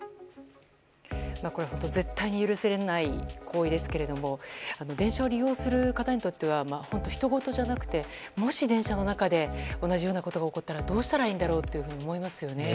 これは本当に絶対に許せない行為ですけれども電車を利用する方にとってはひとごとじゃなくてもし電車の中で同じようなことが起こったらどうしたらいいんだろうと思いますよね。